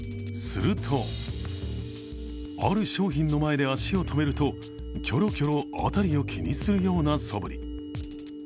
すると、ある商品の前で足を止めるとキョロキョロ辺りを気にするようなそぶり。